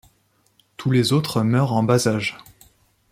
Tous les autres meurent en bas-âge.